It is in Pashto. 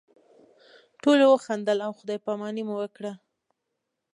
ټولو وخندل او خدای پاماني مو وکړه.